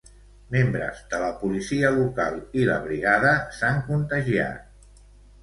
Membres de la Policia Local i la Brigada s'han contagiat.